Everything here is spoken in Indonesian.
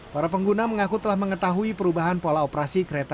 para pengguna mengaku telah mengetahui perubahan pola operasi kereta